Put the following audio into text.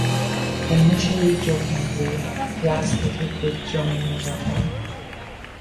Initially jokingly, he asked if he could join Nevermore.